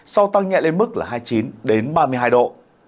sau tăng nhẹ lên mức là hai mươi chín ba mươi hai độ